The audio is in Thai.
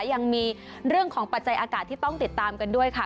ยังมีเรื่องของปัจจัยอากาศที่ต้องติดตามกันด้วยค่ะ